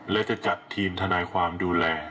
และจะจัดทีมทนายความดูแล